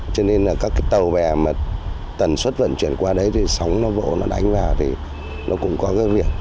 cho nên là các cái tàu bè mà tần suất vận chuyển qua đấy thì sóng nó vỗ nó đánh vào thì nó cũng có cái việc